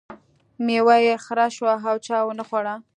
میوه یې خره شوه او چا ونه خوړه.